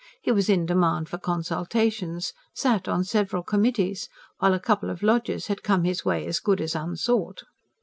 He was in demand for consultations; sat on several committees; while a couple of lodges had come his way as good as unsought.